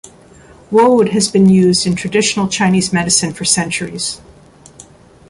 Woad has been used in traditional Chinese medicine for centuries.